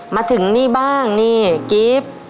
มาถึงนี่บ้างนี่กิฟต์